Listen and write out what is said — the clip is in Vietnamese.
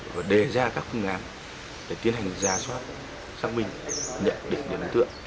và đề ra các phương án để tiến hành giả soát xác minh nhận định để đối tượng